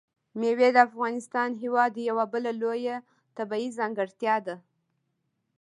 مېوې د افغانستان هېواد یوه بله لویه طبیعي ځانګړتیا ده.